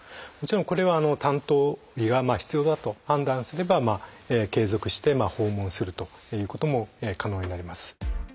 もちろんこれは担当医が必要だと判断すれば継続して訪問するということも可能になります。